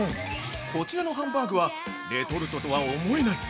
こちらのハンバーグは「レトルトとは思えない！」